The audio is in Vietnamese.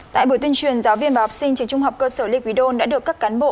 tại buổi tuyên truyền giáo viên và học sinh trường trung học cơ sở lê quý đôn đã được các cán bộ